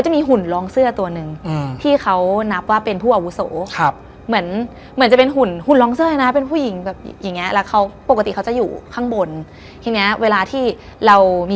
ทีนี้เราพูดถึงเรื่องของกลไก